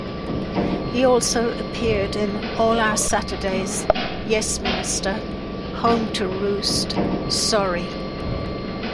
He also appeared in "All Our Saturdays", "Yes Minister", "Home to Roost", "Sorry!